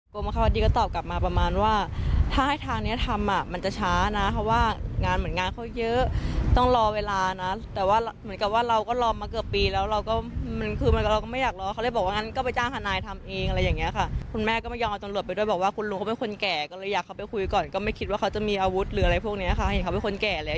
เขาบอกมันผลักภาระผลักปัญหาให้กับเจ้าของบ้านคนใหม่หรือเปล่า